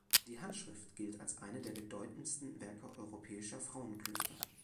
Die Handschrift gilt als eine der bedeutendsten Werke europäischer Frauenklöster.